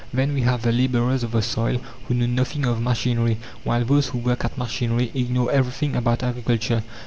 Then, we have the labourers of the soil who know nothing of machinery, while those who work at machinery ignore everything about agriculture.